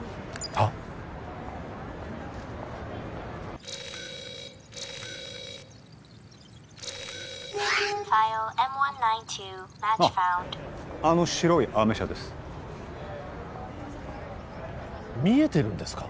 あっあの白いアメ車です見えてるんですか？